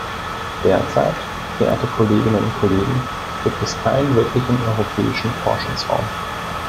Derzeit, verehrte Kolleginnen und Kollegen, gibt es keinen wirklichen Europäischen Forschungsraum.